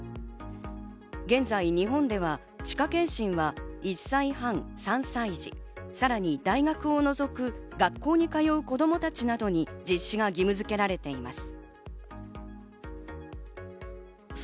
現在、日本では歯科検診は１歳半、３歳児、さらに大学を除く学校に通う子供たちなどに実施が義務づけられています。